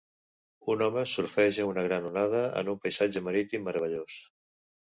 Un home surfeja una gran onada en un paisatge marítim meravellós.